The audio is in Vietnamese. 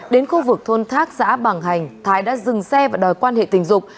đến khu vực thôn thác xã bằng hành thái đã dừng xe và đòi quan hệ tình dục